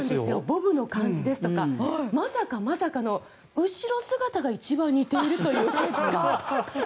ボブの感じですとかまさかまさかの、後ろ姿が一番似ているという結果。